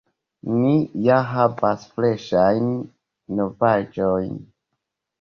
Ni ja havas freŝan novaĵon!